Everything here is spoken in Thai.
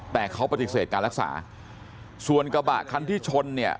แต่เขาปฏิเสธการรักษาส่วนกระบะคันที่ชนเนี่ย